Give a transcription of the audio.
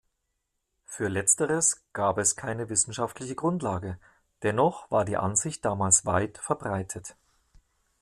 Für letzteres gab es keine wissenschaftliche Grundlage; dennoch war die Ansicht damals weit verbreitet.